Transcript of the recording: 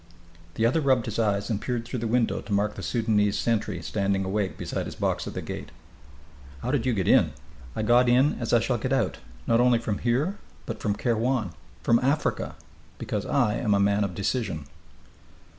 The other rubbed his eyes and peered through the window to mark the Sudanese sentry standing awake beside his box at the gate. "How did you get in?" "I got in as I shall get out, not only from here, but from Kairwan, from Africa because I am a man of decision."